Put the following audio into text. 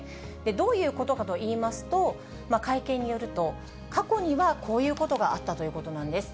どういうことかといいますと、会見によると、過去にはこういうことがあったということなんです。